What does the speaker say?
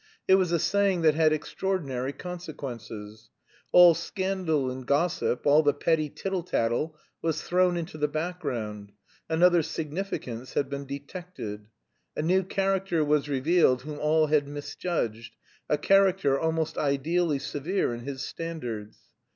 It was a saying that had extraordinary consequences. All scandal and gossip, all the petty tittle tattle was thrown into the background, another significance had been detected. A new character was revealed whom all had misjudged; a character, almost ideally severe in his standards.